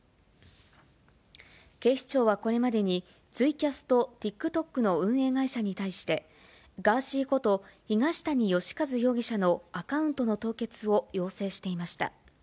警視庁はこれまでに、ツイキャスとＴｉｋＴｏｋの運営会社に対して、ガーシーこと東谷義和容疑者のアカウントの凍結を要請していました。